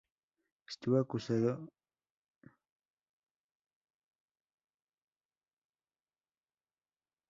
Estuvo acusado de corrupción y nepotismo, pero nunca fue denunciado ni investigado.